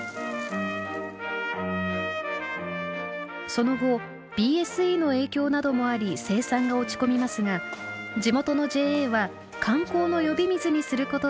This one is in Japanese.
その後ＢＳＥの影響などもあり生産が落ち込みますが地元のＪＡは観光の呼び水にすることで再起を図りました。